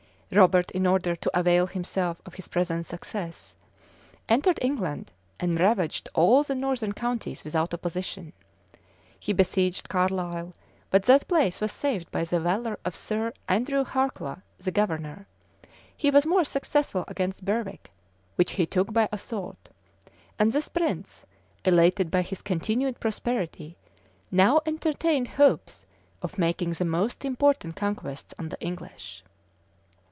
Robert, in order to avail himself of his present success, entered England, and ravaged all the northern counties without opposition: he besieged Carlisle; but that place was saved by the valor of Sir Andrew Harcla, the governor: he was more successful against Berwick, which he took by assault: and this prince, elated by his continued prosperity, now entertained hopes of making the most important conquests on the English.